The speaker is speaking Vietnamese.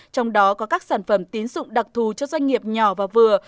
trong đó có các sản phẩm tín dụng đặc thù cho doanh nghiệp nhỏ và vừa